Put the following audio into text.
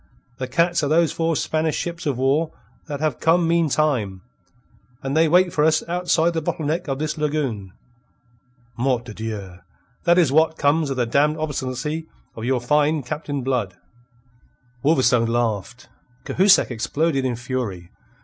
The cats are those four Spanish ships of war that have come meantime. And they wait for us outside the bottle neck of this lagoon. Mort de Dieu! That is what comes of the damned obstinacy of your fine Captain Blood." Wolverstone laughed. Cahusac exploded in fury.